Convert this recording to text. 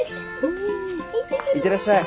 行ってらっしゃい。